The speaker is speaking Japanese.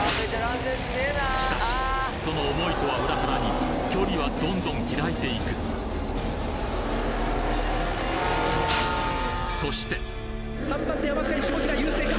しかしその思いとは裏腹に距離はどんどん開いていくそして３番手下平優勢か。